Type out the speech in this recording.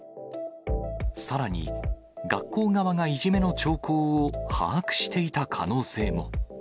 さらに学校側がいじめの兆候を把握していた可能性も。